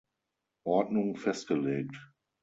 Ordnung festgelegt.